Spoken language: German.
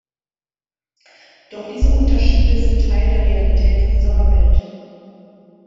Doch diese Unterschiede sind Teil der Realität unserer Welt.